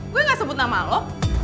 gue gak sebut nama lo